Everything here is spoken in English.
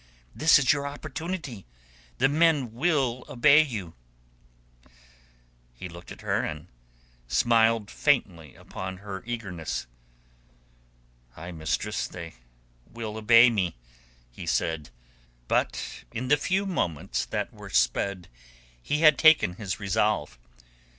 "This is your opportunity. The men will obey you." He looked at her, and smiled faintly upon her eagerness. "Ay, mistress, they will obey me," he said. But in the few moments that were sped he had taken his resolve.